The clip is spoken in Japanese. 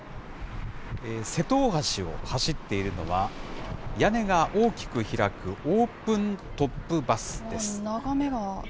瀬戸大橋を走っているのは、屋根が大きく開くオープントップバスです。